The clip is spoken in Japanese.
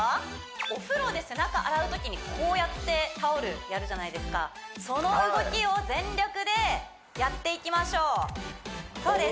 お風呂で背中洗うときにこうやってタオルやるじゃないですかその動きを全力でやっていきましょうそうです